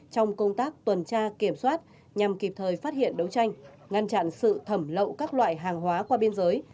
trong công tác tuần tra kiểm soát nhằm kịp thời phát hiện đấu tranh ngăn chặn sự thẩm lậu các loại hàng hóa qua biên giới